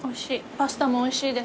パスタもおいしいです